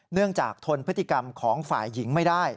เนื่องจากทนพฤติกรรมของฝ่ายหญิงไม่ได้